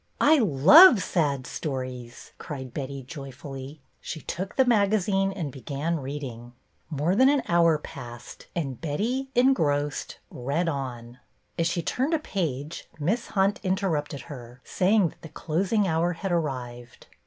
I love sad stories," cried Betty, joyfully. She took the magazine and began reading. More than an hour passed, and Betty, en grossed, read on. As she turned a page Miss Hunt interrupted her, saying that the closing hour had arrived.